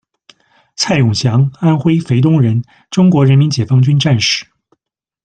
蔡永祥，，安徽肥东人，中国人民解放军战士。